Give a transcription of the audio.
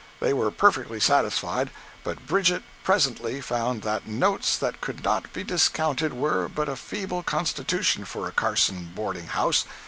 They were perfectly satisfied, but Bridget presently found that notes that could not be discounted were but a feeble constitution for a Carson boarding house.